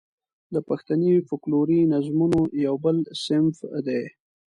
د پښتني فوکلوري نظمونو یو بل صنف دی.